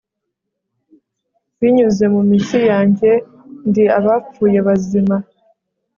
binyuze mu mitsi yanjye, ndi abapfuye bazima